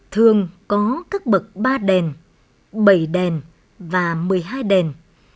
thường có các bậc ba đèn bảy đèn